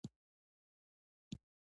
پلار به ماښام کور ته ستنیږي.